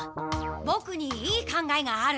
ボクにいい考えがある。